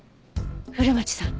古町さん